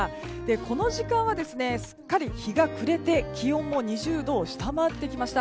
この時間はすっかり日が暮れて気温も２０度を下回ってきました。